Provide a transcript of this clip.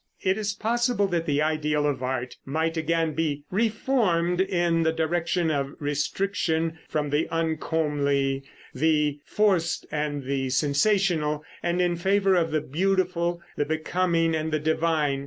It is possible that the ideal of art might again be "reformed" in the direction of restriction from the uncomely, the forced and the sensational, and in favor of the beautiful, the becoming and the divine.